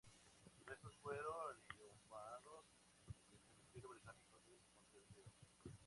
Sus restos fueron inhumados en el Cementerio Británico de Montevideo.